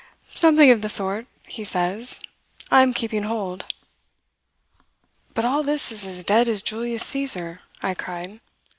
"'Something of the sort,' he says. 'I am keeping hold.' "'But all this is as dead as Julius Caesar,' I cried.